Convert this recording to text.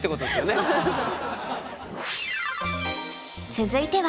続いては